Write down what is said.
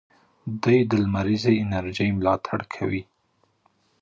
دوی د لمریزې انرژۍ ملاتړ کوي.